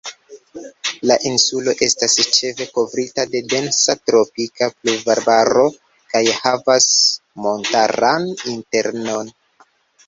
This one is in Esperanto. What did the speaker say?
La insulo estas ĉefe kovrita de densa tropika pluvarbaro kaj havas montaran internon.